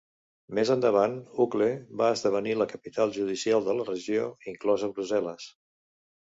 Més endavant, Uccle va esdevenir la capital judicial de la regió, inclosa Brussel·les.